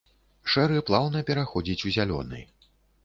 Шэры плаўна пераходзіць у зялёны.